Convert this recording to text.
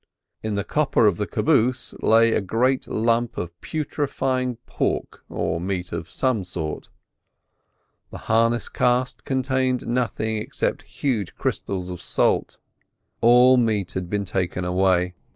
In the copper of the caboose lay a great lump of putrifying pork or meat of some sort. The harness cask contained nothing except huge crystals of salt. All the meat had been taken away.